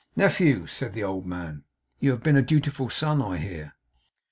'Nephew,' said the old man. 'You have been a dutiful son, I hear.